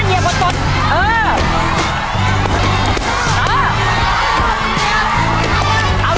เยี่ยม